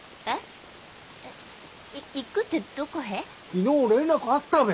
昨日連絡あったべ。